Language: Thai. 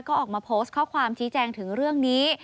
ก็ออกมาโพสต์ข้อความชี้แจงถึงเรื่องนี้